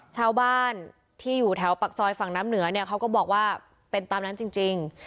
ชาวบ้านที่อยู่แถวปากซอยฝั่งน้ำเหนือเนี่ยเขาก็บอกว่าเป็นตามนั้นจริง